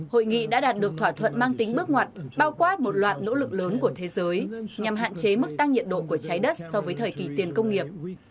hội nghị đã đạt được thỏa thuận mang tính bước ngoặt bao quát một loạt nỗ lực lớn của thế giới nhằm hạn chế mức tăng nhiệt độ của trái đất so với thời kỳ tiền công nghiệp